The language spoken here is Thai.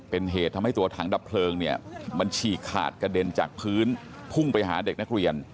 เป็นเหตุทำให้ตัวถังดับเพลิงเนี่ยมันฉีกขาดกระเด็นจากพื้นพุ่งไปหาเด็กนักเรียน